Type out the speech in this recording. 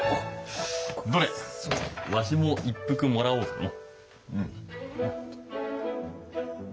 どれわしも一服もらおうかの？